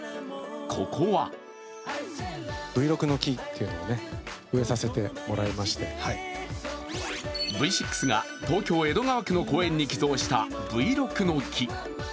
ここはＶ６が東京・江戸川区の公園に寄贈したブイロクの木。